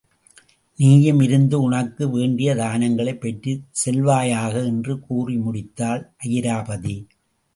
நீயும் இருந்து உனக்கு வேண்டிய தானங்களைப் பெற்றுச் செல்வாயாக என்று கூறி முடித்தாள் அயிராபதி.